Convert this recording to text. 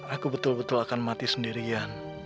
aku betul betul akan mati sendirian